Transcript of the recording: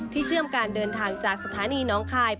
เชื่อมการเดินทางจากสถานีน้องคาย